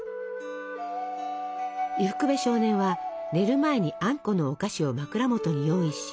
伊福部少年は寝る前にあんこのお菓子を枕元に用意し